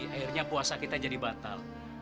akhirnya puasa kita jadi batal